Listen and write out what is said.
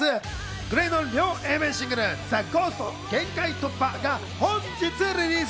ＧＬＡＹの両Ａ面シングル『ＴＨＥＧＨＯＳＴ／限界突破』が本日リリース。